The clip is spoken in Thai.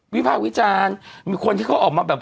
ภาควิจารณ์มีคนที่เขาออกมาแบบ